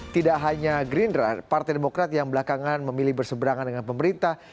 tidak hanya gerindra partai demokrat yang belakangan memilih berseberangan dengan pemerintah